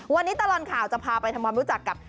วันนี้ตลอดข่าวจะพาไปทำความรู้จักกับ